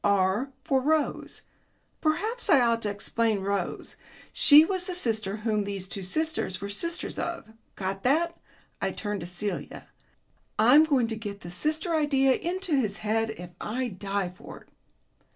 R for Rose. Perhaps I ought to explain Rose. She was the sister whom these two sisters were sisters of. Got that?" I turned to Celia. "I'm going to get the sister idea into his head if I die for it."